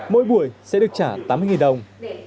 mỗi buổi sẽ được trả tám mươi đồng